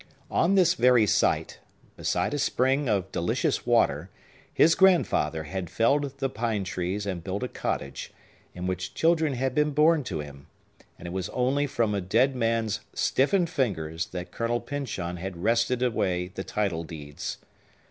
On this very site, beside a spring of delicious water, his grandfather had felled the pine trees and built a cottage, in which children had been born to him; and it was only from a dead man's stiffened fingers that Colonel Pyncheon had wrested away the title deeds.